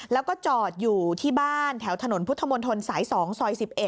แล้วก็จอดอยู่ที่บ้านแถวถนนพุทธมนตรสาย๒ซอย๑๑